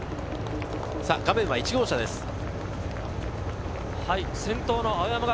画面は１号車です。